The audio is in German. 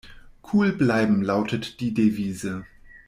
Cool bleiben lautet die Devise.